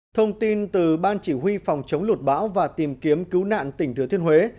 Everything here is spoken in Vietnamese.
thông tin từ ban chỉ huy phòng chống lụt bão và tìm kiếm cứu nạn tỉnh thừa thiên huế